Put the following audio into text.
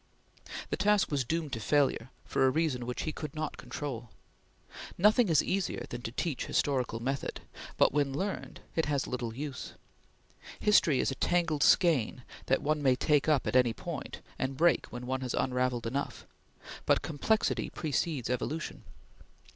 The task was doomed to failure for a reason which he could not control. Nothing is easier than to teach historical method, but, when learned, it has little use. History is a tangled skein that one may take up at any point, and break when one has unravelled enough; but complexity precedes evolution.